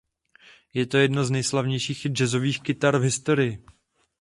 Je to jedna z nejslavnějších jazzových kytar v historii.